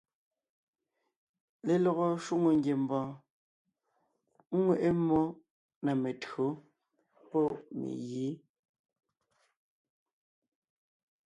Lelɔgɔ shwòŋo ngiembɔɔn ŋweʼe mmó na mentÿǒ pɔ́ megǐ.